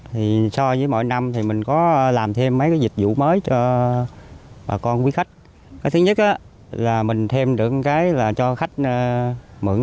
tuy sản lượng quyết hồng năm nay có giảm so với năm trước khoảng ba mươi